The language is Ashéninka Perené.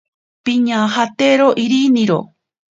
Piñajatero iriniro.